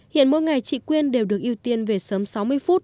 hiện mỗi ngày chị quyên đều được ưu tiên về sớm sáu mươi phút